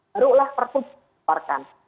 barulah perpu dikeluarkan